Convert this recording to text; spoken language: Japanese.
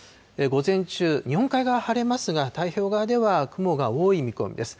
午前中、日本海側、晴れますが、太平洋側では雲が多い見込みです。